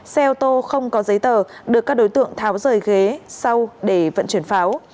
xe ô tô không có giấy tờ được các đối tượng tháo rời ghế sau để vận chuyển pháo